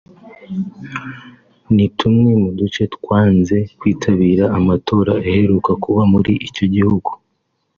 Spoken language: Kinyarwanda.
ni tumwe mu duce twanze kwitabira amatora aheruka kuba muri icyo gihugu